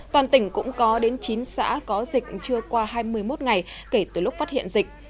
toàn tỉnh cũng có đến chín xã có dịch chưa qua hai mươi một ngày kể từ lúc phát hiện dịch